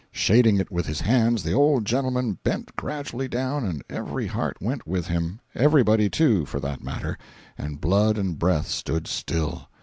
Shading it with his hands, the old gentleman bent gradually down and every heart went with him—everybody, too, for that matter—and blood and breath stood still.